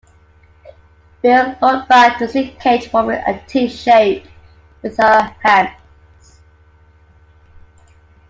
Bill looked back to see Kate forming a T-shape with her hands.